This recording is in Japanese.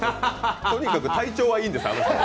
とにかく体調はいいんですよ。